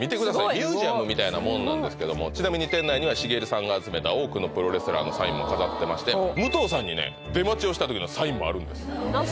ミュージアムみたいなもんなんですけどもちなみに店内には茂さんが集めた多くのプロレスラーのサインも飾ってまして武藤さんにね出待ちをした時のサインもあるんですあっ